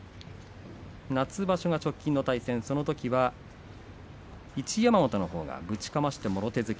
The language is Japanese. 夏場所直近の対戦、そのときは一山本のほうがぶちかましてもろ手突き